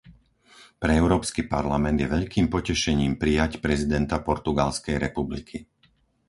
Pre Európsky parlament je veľkým potešením prijať prezidenta Portugalskej republiky.